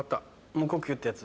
無呼吸ってやつ？